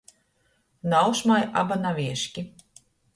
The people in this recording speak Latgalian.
Nauošmai aba navieški.